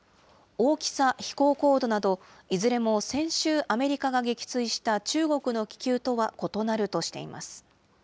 大きさ、飛行高度など、いずれも先週アメリカが撃墜した中国の気球とは異なるとしています。